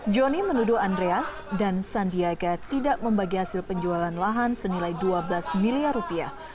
johnny menuduh andreas dan sandiaga tidak membagi hasil penjualan lahan senilai dua belas miliar rupiah